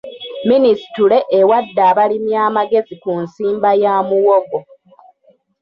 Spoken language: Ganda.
Minisitule ewadde abalimi amagezi ku nsimba ya muwogo.